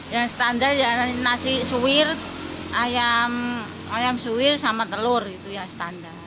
yang standar ya nasi suwir ayam suwir sama telur itu ya standar